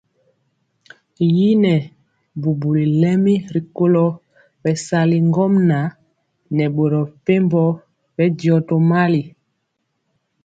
Yi nɛ bubuli lemi rikolo bɛsali ŋgomnaŋ nɛ boro mepempɔ bɛndiɔ tomali.